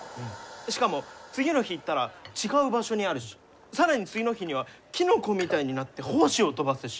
しかも次の日行ったら違う場所にあるし更に次の日にはキノコみたいになって胞子を飛ばすし。